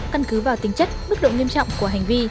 căn cứ vào tính chất mức độ nghiêm trọng của hành vi